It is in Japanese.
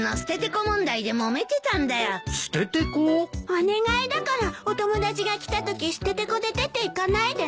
お願いだからお友達が来たときステテコで出ていかないでね。